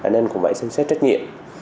nên cũng phải xem xét trách nhiệm